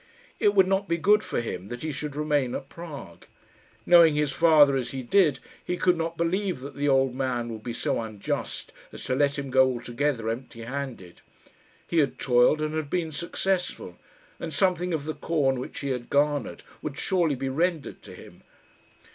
It would not be good for him that he should remain at Prague. Knowing his father as he did, he could not believe that the old man would be so unjust as to let him go altogether empty handed. He had toiled, and had been successful; and something of the corn which he had garnered would surely be rendered to him.